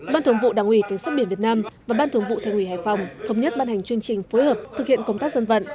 ban thường vụ đảng ủy cảnh sát biển việt nam và ban thường vụ thành ủy hải phòng thống nhất ban hành chương trình phối hợp thực hiện công tác dân vận